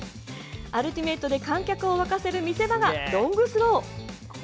アルティメットで観客を沸かせる見せ場が、ロングスロー。